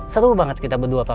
seru banget kita berdua pak